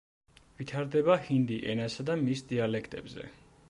ვითარდება ჰინდი ენასა და მის დიალექტებზე.